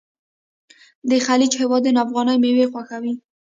د خلیج هیوادونه افغاني میوې خوښوي.